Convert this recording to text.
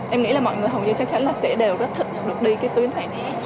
em nghĩ là mọi người hồng dân chắc chắn là sẽ đều rất thích được đi cái tuyến này